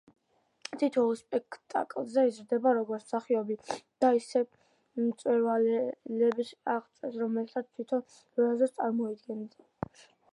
თითოეულ სპექტაკლზე იზრდები, როგორც მსახიობი და ისეთ მწვერვალებს აღწევ, რომელსაც თვითონ ვერასოდეს წარმოიდგენდი.